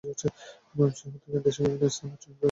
ময়মনসিংহ থেকে দেশের বিভিন্ন স্থানের সাথে রয়েছে ট্রেন যোগাযোগ।